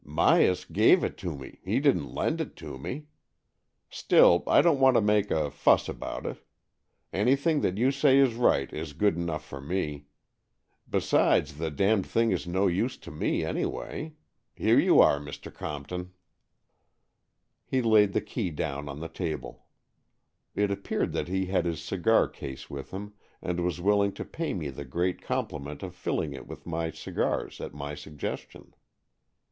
"Myas gave it me — he didn't lend it me. Still, I don't want to make a fuss about AN EXCHANGE OF SOULS 123 it. Anything that you say is right is good enough for me. Besides, the damned thing is no use to me anyway. Here you are, Mr. Compton.'' He laid the key down on the table. It appeared that he had his cigar case with him, and was willing to pay me the great com pliment of filling it with my cigars at my suggestion.